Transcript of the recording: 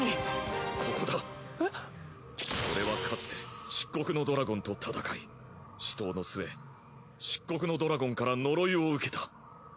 俺はかつて漆黒のドラゴンと戦い死闘の末漆黒のドラゴンから呪いを受けた。